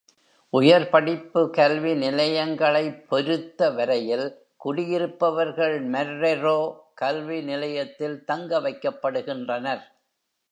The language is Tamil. உயர் படிப்பு கல்விநிலையங்களைப் பொருத்த வரையில், குடியிருப்பவர்கள் மர்ரொரோ கல்விநிலையத்தில் தங்க வைக்கப்படுகின்றனர்.